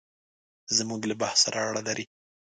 زموږ له بحث سره اړه لري.